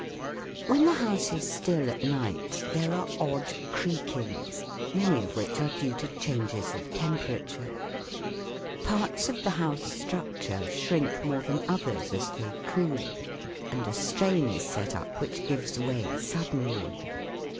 When the house is still at night there are odd creakings, many of which are due to changes of temperature. Parts of the house structure shrink more than others as they cool, and a strain is set up which gives way suddenly.